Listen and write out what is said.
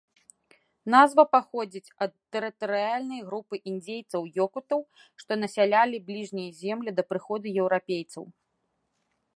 Назва паходзіць ад тэрытарыяльнай групы індзейцаў-ёкутаў, што насялялі бліжнія землі да прыходу еўрапейцаў.